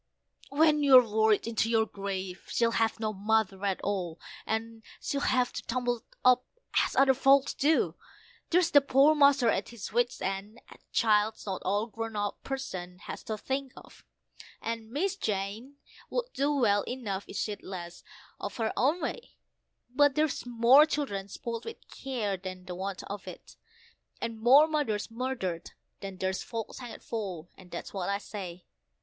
When you're worried into your grave, she'll have no mother at all, and'll have to tumble up as other folks do. There's the poor master at his wits' end a child's not all a grown person has to think of and Miss Jane would do well enough if she'd less of her own way; But there's more children spoilt with care than the want of it, and more mothers murdered than there's folks hanged for, and that's what I say.